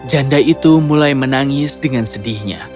janda itu mulai menangis dengan sedihnya